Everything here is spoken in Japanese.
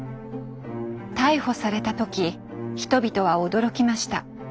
逮捕された時人々は驚きました。